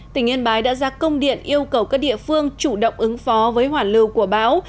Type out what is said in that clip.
tỉnh yên bái đã ra công điện yêu cầu các địa phương chủ động ứng phó với hoản lưu của báo